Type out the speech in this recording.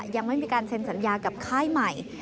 ยังไม่มีการเซ็นสัญญากับค่ายใหม่